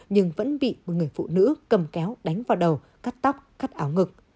nhưng vẫn bị một người phụ nữ cầm kéo đánh vào đầu cắt tóc cắt áo ngực